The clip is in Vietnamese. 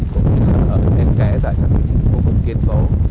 cũng như ở xe kè tại các khu vực kiên cố